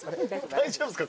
大丈夫ですか？